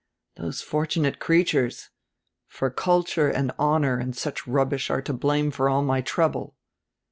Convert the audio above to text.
Those fortunate creatures! For culture and honor and such rubbish are to blame for all my trouble.